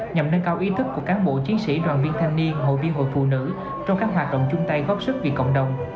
nhằm nâng cao ý thức của cán bộ chiến sĩ đoàn viên thanh niên hội viên hội phụ nữ trong các hoạt động chung tay góp sức vì cộng đồng